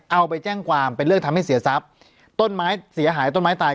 เอาไปแจ้งความเป็นเรื่องทำให้เสียทรัพย์ต้นไม้เสียหายต้นไม้ตาย